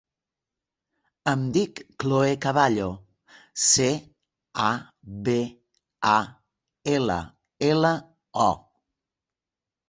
Em dic Khloe Caballo: ce, a, be, a, ela, ela, o.